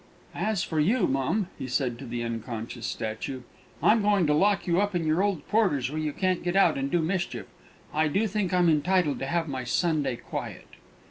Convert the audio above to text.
"As for you, mum," he said to the unconscious statue, "I'm going to lock you up in your old quarters, where you can't get out and do mischief. I do think I'm entitled to have my Sunday quiet."